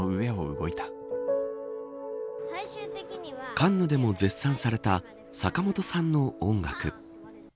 カンヌでも絶賛された坂本さんの音楽。